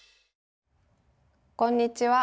こんにちは。